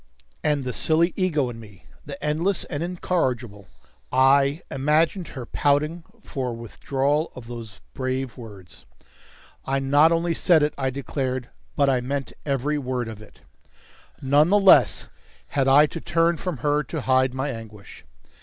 And the silly ego in me the endless and incorrigible I imagined her pouting for a withdrawal of those brave words. "I not only said it," I declared, "but I meant every word of it." None the less had I to turn from her to hide my anguish.